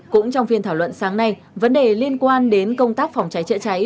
cũng trong phiên thảo luận sáng nay vấn đề liên quan đến công tác phòng cháy chữa cháy